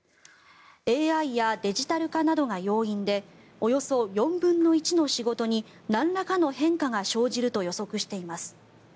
ＡＩやデジタル化などが要因でおよそ４分の１の仕事になんらかの変化が生じると予測しています。